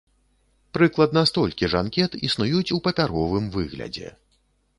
Прыкладна столькі ж анкет існуюць у папяровым выглядзе.